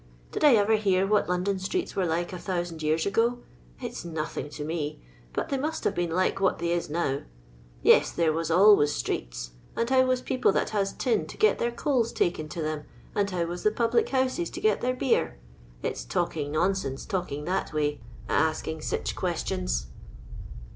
Did I ever hear what Iiondon streets were like a thousand yean ago] It's nothing to me, but they must have been like what they is now. Tes, there was always streets, or how was people that has tin to get their coals taken to them, and how was the public houses to get their beer 1 It 's talking nonsense^ talking that way, a askingsich questions."